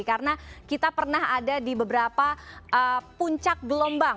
karena kita pernah ada di beberapa puncak gelombang